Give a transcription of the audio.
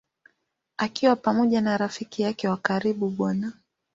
Akiwa pamoja na rafiki yake wa karibu Bw.